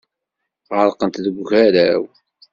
Ɣerqent deg ugaraw.